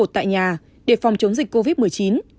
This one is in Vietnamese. tại nhà để phòng chống dịch covid một mươi chín